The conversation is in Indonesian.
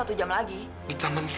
tapi dia malah dia ini